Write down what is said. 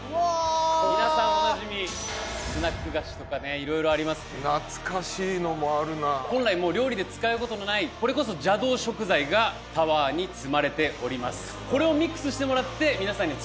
皆さんおなじみスナック菓子とかねいろいろありますけれども懐かしいのもあるな本来もう料理で使うことのないこれこそ邪道食材がタワーに積まれております